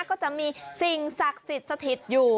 ก็จะมีสิ่งศักดิ์สถิตย์อยู่